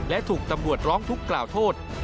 และถูกตำรวจร้องทุกข์กล่าวโทษ